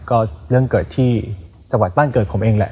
ก็เรื่องเกิดที่จังหวัดบ้านเกิดผมเองแหละ